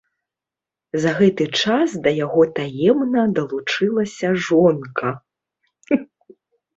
За гэты час да яго таемна далучылася жонка.